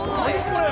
これ！